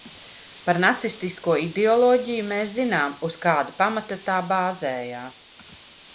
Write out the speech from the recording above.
Par nacistisko ideoloģiju mēs zinām, uz kāda pamata tā bāzējās.